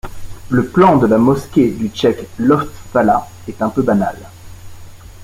Le plan de la mosquée du Cheikh Lotfallah est peu banal.